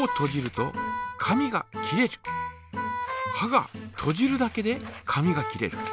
がとじるだけで紙が切れる。